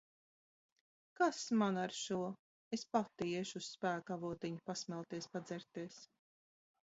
Kas man ar šo! Es pati iešu uz Spēka avotiņu pasmelties, padzerties.